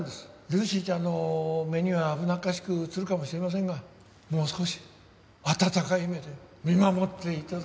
ルーシーちゃんの目には危なっかしく映るかもしれませんがもう少し温かい目で見守って頂けませんでしょうか？